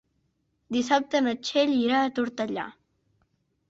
Dissabte na Txell irà a Tortellà.